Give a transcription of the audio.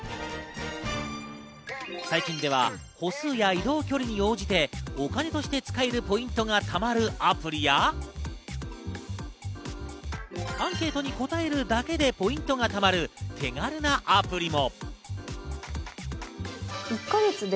最近では歩数や移動距離に応じてお金として使えるポイントが貯まるアプリやアンケートに答えるだけでポイントが貯まる手軽なアプリも。